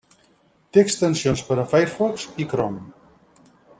Té extensions per a Firefox i Chrome.